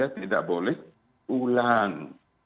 tidak boleh ulang